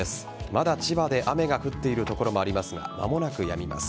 まだ千葉で雨が降っている所もありますが間もなくやみます。